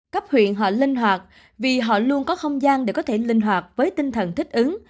cấp huyện họ linh hoạt vì họ luôn có không gian để có thể linh hoạt với tinh thần thích ứng